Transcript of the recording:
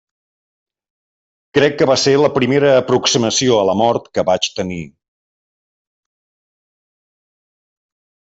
Crec que va ser la primera aproximació a la mort que vaig tenir.